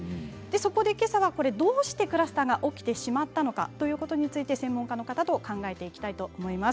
けさはどうしてクラスターが起きてしまったのかについて専門家の方と考えていきたいと思います。